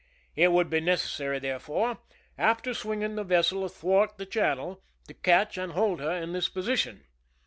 It would be necessary, therefore, after swinging the vessel athwart the channel, to catch >and hold her in this position.